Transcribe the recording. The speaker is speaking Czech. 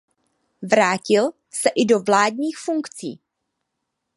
Vrátil se i do vládních funkcí.